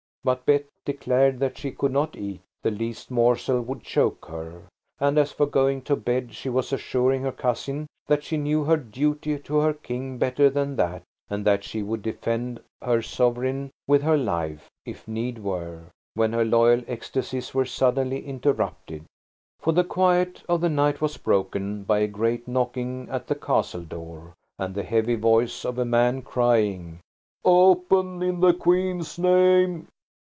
But Bet declared that she could not eat; the least morsel would choke her. And as for going to bed, she was assuring her cousin that she knew her duty to her King better than that, and that she would defend her Sovereign with her life, if need were, when her loyal ecstasies were suddenly interrupted. For the quiet of the night was broken by a great knocking at the castle door and the heavy voice of a man crying– "Open, in the Queen's name!"